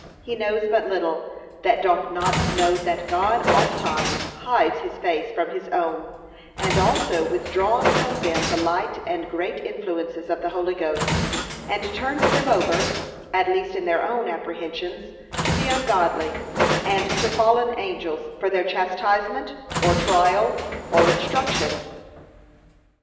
He knows but little, that doth not know that God ofttimes hides his face from his own, and also withdraws from them the light and great influences of the Holy Ghost: and turns them over, at least in their own apprehensions, to the ungodly, and to fallen angels for their chastisement, or trial; or instruction, &c.